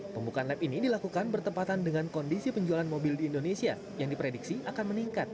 pembukaan lab ini dilakukan bertempatan dengan kondisi penjualan mobil di indonesia yang diprediksi akan meningkat